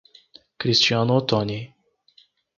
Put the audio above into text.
Cristiano Otoni